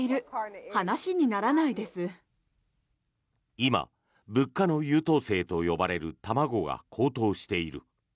今、物価の優等生と呼ばれる卵が高騰している。